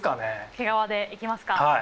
毛皮でいきますか？